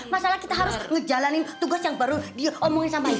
masalah kita harus ngejalanin tugas yang baru diomongin sama ibu